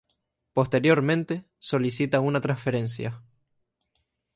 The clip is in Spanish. Posteriormente, solicita una transferencia.